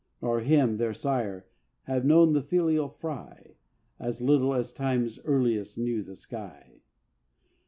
Nor him, their sire, have known the filial fry: As little as Time's earliest knew the sky.